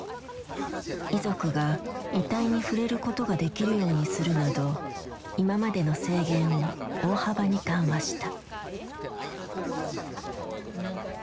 遺族が遺体に触れることができるようにするなど今までの制限を大幅に緩和した。